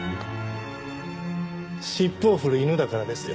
尻尾を振る犬だからですよ